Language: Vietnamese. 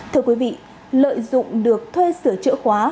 thưa quý vị lợi dụng được thuê sửa chữa khóa